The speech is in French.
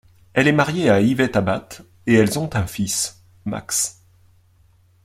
Elle est mariée à Yvette Abatte et elles ont un fils, Max.